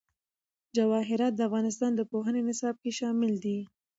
جواهرات د افغانستان د پوهنې نصاب کې شامل دي.